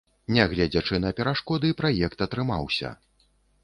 Нягледзячы на перашкоды, праект атрымаўся.